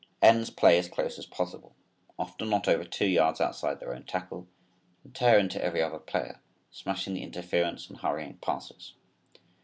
Ends play as close as possible, often not over two yards outside their own tackle and tear into every play smashing the interference and hurrying passes.